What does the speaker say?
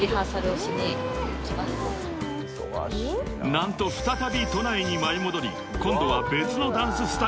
［何と再び都内に舞い戻り今度は別のダンススタジオへ］